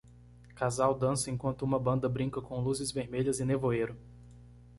Casal dança enquanto uma banda brinca com luzes vermelhas e nevoeiro.